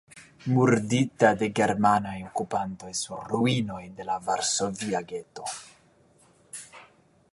Murdita de germanaj okupantoj sur ruinoj de la Varsovia geto.